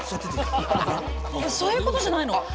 いやそういうことじゃないの。